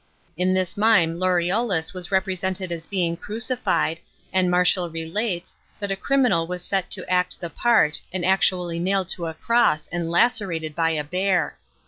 * L, this mime Laureolus was represented as being crucified, and Martial relates, that a criminal was set to act the part, and actual'y nailed to a cross and lacerated by a bear.